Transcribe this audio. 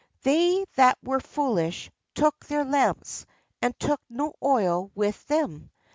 They that were foolish took their lamps, and took no oil with them.